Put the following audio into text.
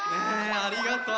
ありがとう！